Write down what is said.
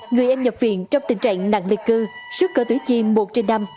người em nhập viện trong tình trạng nặng liệt cơ sức cơ tuyệt chiên một trên năm